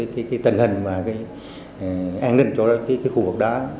cái tình hình an ninh của khu vực đó